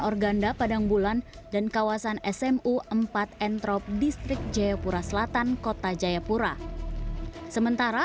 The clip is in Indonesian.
organda padang bulan dan kawasan smu empat entrop distrik jayapura selatan kota jayapura sementara